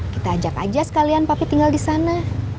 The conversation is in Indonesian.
kita ajak aja sekalian papi tinggal disana